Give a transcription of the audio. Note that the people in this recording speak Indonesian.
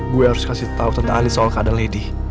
gue harus kasih tau tante andis soal keadaan lady